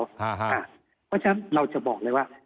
เพราะฉะนั้นเราจะบอกเลยว่า